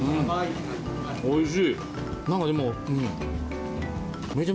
おいしい。